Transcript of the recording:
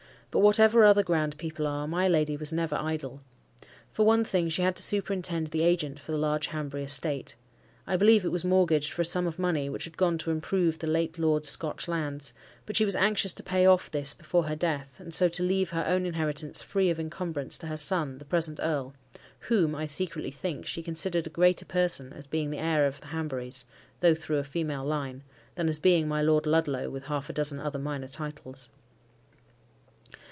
But whatever other grand people are, my lady was never idle. For one thing, she had to superintend the agent for the large Hanbury estate. I believe it was mortgaged for a sum of money which had gone to improve the late lord's Scotch lands; but she was anxious to pay off this before her death, and so to leave her own inheritance free of incumbrance to her son, the present Earl; whom, I secretly think, she considered a greater person, as being the heir of the Hanburys (though through a female line), than as being my Lord Ludlow with half a dozen other minor titles.